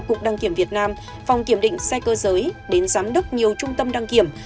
cục đăng kiểm việt nam phòng kiểm định xe cơ giới đến giám đốc nhiều trung tâm đăng kiểm